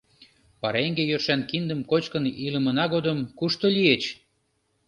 Пареҥге йӧршан киндым кочкын илымына годым кушто лийыч?..